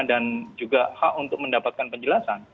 dan juga hak untuk mendapatkan penjelasan